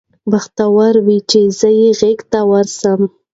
بختور وي چي یې زه غیږي ته ورسم